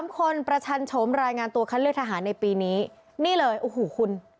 ๓คนประชันโฉมรายงานตัวคัดเลือกทหารในปีนี้นี่เลยโอ้โหคุณ